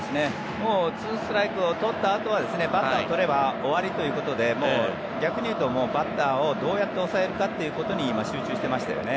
２ストライクを取ったあとはバッターを取れば終わりということで逆に言うとバッターをどうやって抑えるかということに今、集中してましたよね。